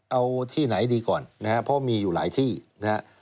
เอาที่ไหนดีก่อนนะครับเพราะมีอยู่หลายที่นะฮะ